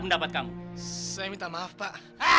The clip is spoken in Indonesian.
mendapat kamu saya minta maaf pak